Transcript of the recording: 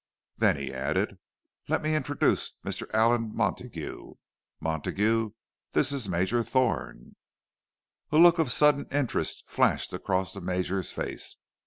Then he added: "Let me introduce Mr. Allan Montague. Montague, this is Major Thorne." A look of sudden interest flashed across the Major's face.